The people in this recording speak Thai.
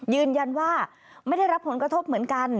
ยืนยันว่าไม่ได้รับผลกระทบเหมือนกัน